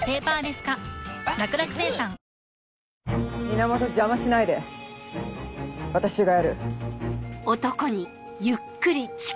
源邪魔しないで私がやる。